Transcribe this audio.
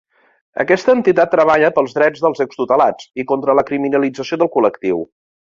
Aquesta entitat treballa pels drets dels extutelats i contra la criminalització del col·lectiu.